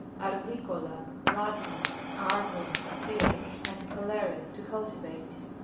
ARVICOLA. Latin, arvum, a field, and colere, to cultivate.